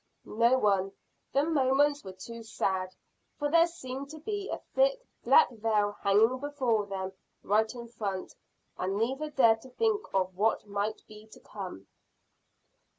No one: the moments were too sad, for there seemed to be a thick black veil hanging before them right in front, and neither dared to think of what might be to come.